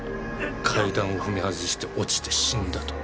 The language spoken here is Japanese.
階段を踏み外して落ちて死んだと。